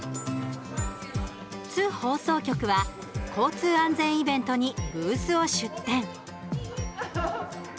津放送局は、交通安全イベントにブースを出展。